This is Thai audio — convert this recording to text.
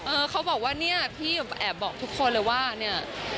เออเขาบอกว่าเนี่ยพี่แอบบอกทุกคนเลยว่าเนี่ย